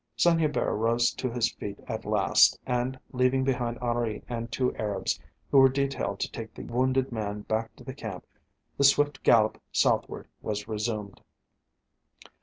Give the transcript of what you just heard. Saint Hubert rose to his feet at last, and, leaving behind Henri and two Arabs, who were detailed to take the wounded man back to the camp, the swift gallop southward was resumed.